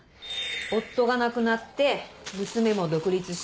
夫が亡くなって娘も独立して。